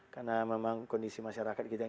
karena memang kondisi masyarakat kita